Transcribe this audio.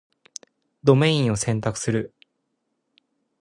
ドメインを選択する